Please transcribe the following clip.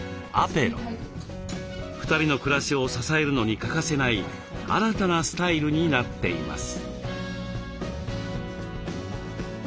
２人の暮らしを支えるのに欠かせない新たなスタイルになっています。